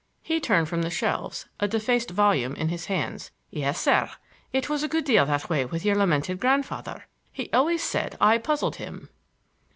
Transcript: He turned from the shelves, a defaced volume in his hands. "Yes, sir. It was a good deal that way with your lamented grandfather. He always said I puzzled him."